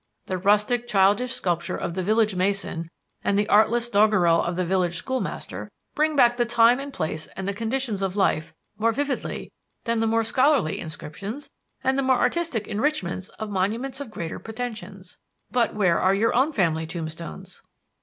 The rustic, childish sculpture of the village mason and the artless doggerel of the village schoolmaster, bring back the time and place and the conditions of life more vividly than the more scholarly inscriptions and the more artistic enrichments of monuments of greater pretensions. But where are your own family tombstones?"